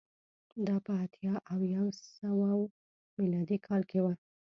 دا په اتیا او یو سوه میلادي کال کې و